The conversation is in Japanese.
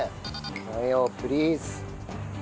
マヨプリーズ。